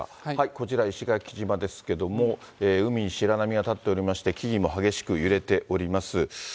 こちら、石垣島ですけれども、海に白波が立っておりまして、木々も激しく揺れております。